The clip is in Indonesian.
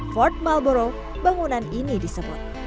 fort malboro bangunan ini disebut